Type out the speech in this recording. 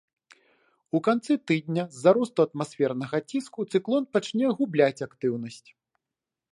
У канцы тыдня з-за росту атмасфернага ціску цыклон пачне губляць актыўнасць.